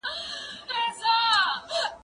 زه مخکي اوبه پاکې کړې وې!!